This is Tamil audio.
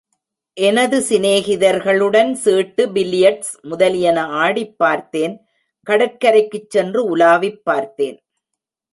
எனது சிநேகிதர்களுடன் சீட்டு, பில்லியர்ட்ஸ் முதலியன ஆடிப் பார்த்தேன் கடற்கரைக்குச் சென்று உலாவிப் பார்த்தேன்.